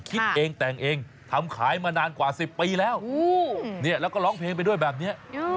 คิดเองแต่งเองทำขายมานานกว่า๑๐ปีแล้วแล้วก็ร้องเพลงไปด้วยแบบนี้